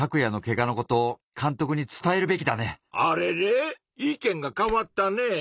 あれれ意見が変わったね。